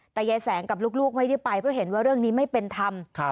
แต่ยายแสงกับลูกไม่ได้ไปเพราะเห็นว่าเรื่องนี้ไม่เป็นธรรม